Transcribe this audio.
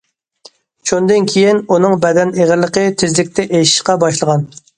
شۇندىن كېيىن، ئۇنىڭ بەدەن ئېغىرلىقى تېزلىكتە ئېشىشقا باشلىغان.